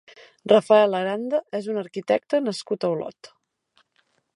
Rafael Aranda és un arquitecte nascut a Olot.